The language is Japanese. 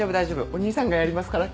お義兄さんがやりますから。